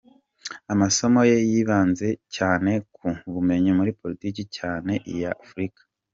Amasomo ye yibanze cyane ku bumenyi muri Politiki cyane iya Afurika.